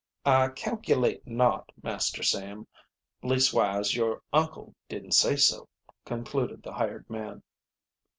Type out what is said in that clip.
"I calculate not, Master Sam. Leas'wise, your uncle didn't say so," concluded the hired man.